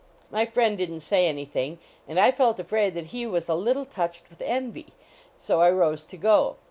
My friend didn t say anything, and I felt afraid that he was a little touched with envy. So I rose to go.